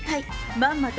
まんまと